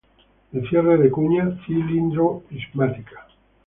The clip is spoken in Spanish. El cierre de cuña cilindro-prismática.